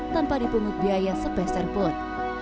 tanpa dipungut biaya sepeserpun